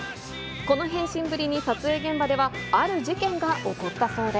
この変身ぶりに、撮影現場では、ある事件が起こったそうで。